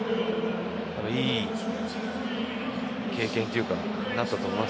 いい経験になったと思います。